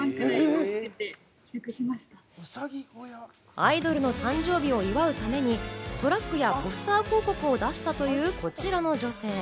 アイドルの誕生日を祝うためにトラックやポスター広告を出したというこちらの女性。